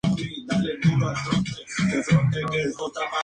Se encuentran con el Piloto loco, al cual llamaban el loco Denny.